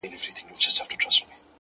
پوهه د ذهن زنګونه ماتوي,